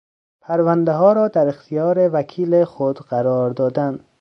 پروندهها را در اختیار وکیل خود قرار دادن